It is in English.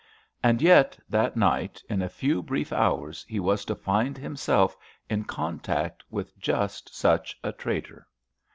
And yet that night, in a few brief hours, he was to find himself in contact with just such a traitor.